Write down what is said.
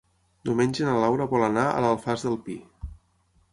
Diumenge na Laura vol anar a l'Alfàs del Pi.